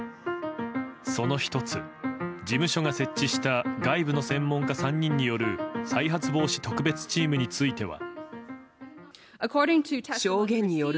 その１つ、事務所が設置した外部の専門家３人による再発防止特別チームについては。